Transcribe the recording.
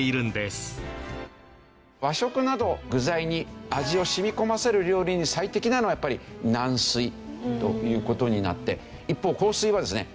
和食など具材に味を染み込ませる料理に最適なのはやっぱり軟水という事になって一方硬水はですね